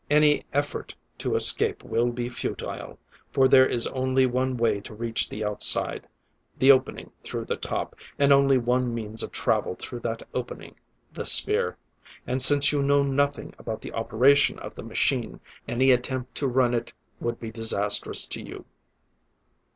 Any effort to escape will be futile, for there is only one way to reach the outside; the opening through the top; and only one means of travel through that opening: the sphere. And since you know nothing about the operation of the machine, any attempt to run it would be disastrous to you.